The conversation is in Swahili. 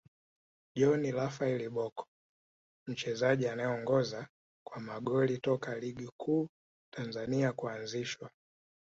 John Raphael Bocco Mchezaji anayeongoza kwa magori toka ligi kuu Tanzania kuanzishwa